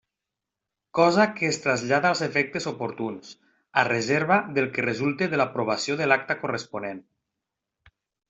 Cosa que es trasllada als efectes oportuns, a reserva del que resulte de l'aprovació de l'acta corresponent.